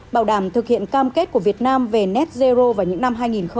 bảo đảm thực hiện cam kết của việt nam về net zero vào những năm hai nghìn hai mươi